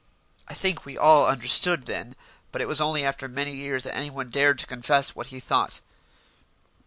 I think we all understood then, but it was only after many years that anyone dared to confess what he thought.